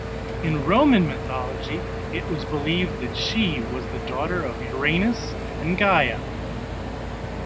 In Roman mythology it was believed that she was daughter of Uranus and Gaia.